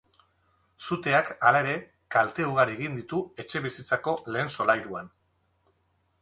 Suteak, hala ere, kalte ugari eragin ditu etxebizitzako lehen solairuan.